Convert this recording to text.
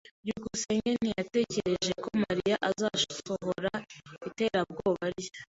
byukusenge ntiyatekereje ko Mariya azasohoza iterabwoba rye.